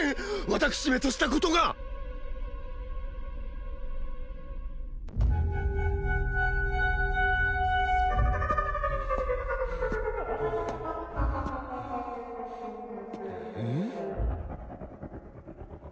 私めとしたことがうん？